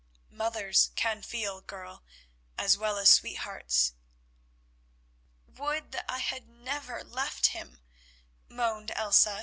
Mothers can feel, girl, as well as sweethearts." "Would that I had never left him," moaned Elsa.